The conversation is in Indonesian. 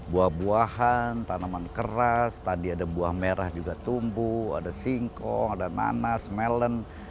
buah buahan tanaman keras tadi ada buah merah juga tumbuh ada singkong ada nanas melon